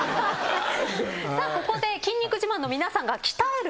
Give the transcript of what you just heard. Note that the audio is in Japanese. さあここで筋肉自慢の皆さんが。